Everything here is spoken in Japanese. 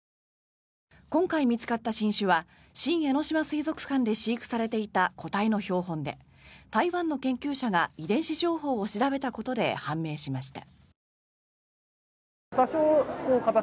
今回見つかった新種は新江ノ島水族館で飼育されていた個体の標本で台湾の研究者が遺伝子情報を調べたことで判明しました。